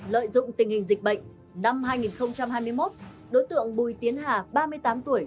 lợi dụng tình hình dịch bệnh năm hai nghìn hai mươi một đối tượng bùi tiến hà ba mươi tám tuổi